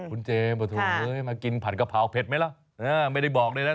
คุณเจมส์ปะโถมากินผัดกะเพราเผ็ดไหมล่ะไม่ได้บอกด้วยนะ